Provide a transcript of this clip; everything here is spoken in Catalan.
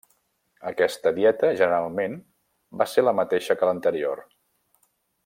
Aquesta dieta generalment va ser la mateixa que l'anterior.